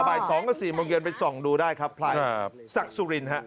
บ่าย๒ก็๔โมงเย็นไปส่องดูได้ครับพลายสักสุรินทร์ครับ